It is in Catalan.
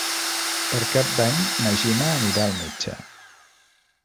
Per Cap d'Any na Gina anirà al metge.